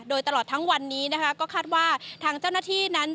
โดยตลอดทั้งวันนี้นะคะก็คาดว่าทางเจ้าหน้าที่นั้น